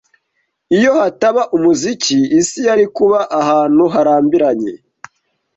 Iyo hataba umuziki, isi yari kuba ahantu harambiranye.